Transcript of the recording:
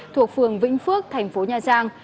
thuộc phường vĩnh phước thành phố nha trang